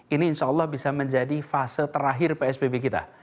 ini insya allah bisa menjadi fase terakhir psbb kita